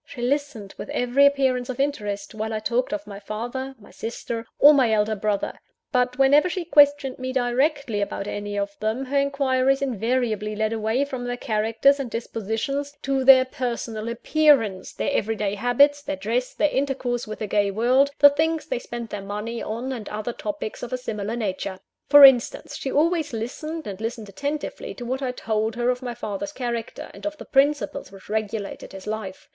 She listened with every appearance of interest, while I talked of my father, my sister, or my elder brother; but whenever she questioned me directly about any of them, her inquiries invariably led away from their characters and dispositions, to their personal appearance, their every day habits, their dress, their intercourse with the gay world, the things they spent their money on, and other topics of a similar nature. For instance; she always listened, and listened attentively, to what I told her of my father's character, and of the principles which regulated his life.